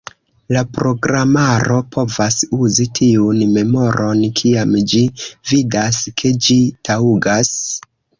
La programaro povas uzi tiun memoron kiam ĝi vidas, ke ĝi taŭgas.